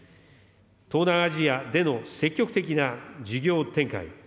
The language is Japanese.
東南アジアでの積極的な事業展開。